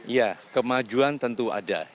ya kemajuan tentu ada